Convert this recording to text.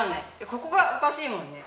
ここがおかしいもんね。